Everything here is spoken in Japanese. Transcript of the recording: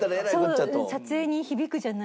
そう撮影に響くじゃない。